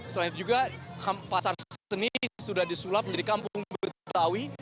selain itu juga pasar seni sudah disulap menjadi kampung betawi